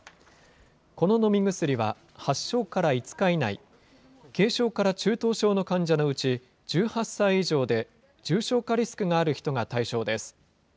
この飲み薬は、発症から５日以内、軽症から中等症の患者のうち１８歳以上で重症化リスクがある人が対象です。